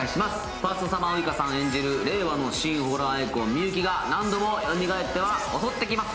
ファーストサマーウイカさん演じる令和のホラーアイコン・美雪が何度もよみがえっては襲ってきます。